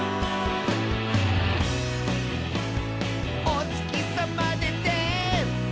「おつきさまでて」